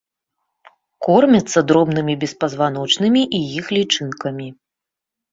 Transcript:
Кормяцца дробнымі беспазваночнымі і іх лічынкамі.